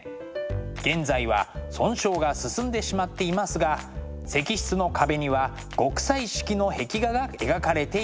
現在は損傷が進んでしまっていますが石室の壁には極彩色の壁画が描かれていました。